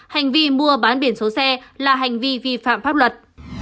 hành vi mua bán biển số xe là hành vi vi phạm pháp luật